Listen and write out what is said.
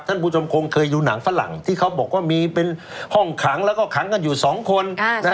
ท่านผู้ชมคงเคยดูหนังฝรั่งที่เขาบอกว่ามีเป็นห้องขังแล้วก็ขังกันอยู่๒คน